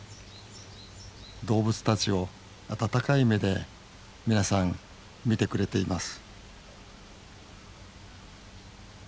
動物たちを温かい目で皆さん見てくれています